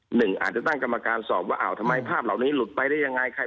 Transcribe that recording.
หนึ่งอาจจะตั้งกรรมการสอบว่าอ้าวทำไมภาพเหล่านี้หลุดไปได้ยังไง